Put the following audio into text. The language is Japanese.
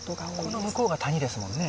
この向こうが谷ですもんね。